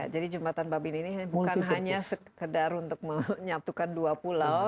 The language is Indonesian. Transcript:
jadi jembatan babin ini bukan hanya sekedar untuk menyatukan dua pulau